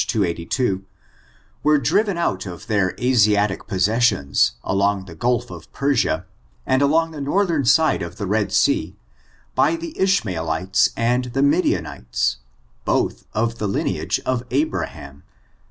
282, were driven out of their Asiatic possessions, along the gulf of Persia, and along the northern side of the Red Sea^ by the Ish maeUtes and the Midianites, both of the lineage of Abraham.